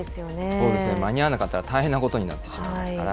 そうですね、間に合わなかったら大変なことになってしまいますから。